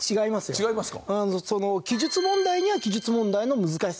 違いますか。